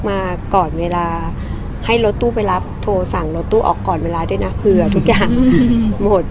มาก่อนเวลาให้รถตู้ไปรับโทรสั่งรถตู้ออกก่อนเวลาด้วยนะเผื่อทุกอย่างหมด